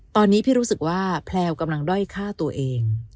ตอนนี้พี่รู้สึกว่าแพลวกำลังด้อยฆ่าตัวเอง